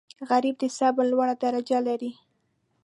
غریب د صبر لوړه درجه لري